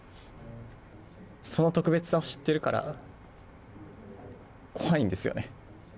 その特別さを知ってるから怖いんですよね。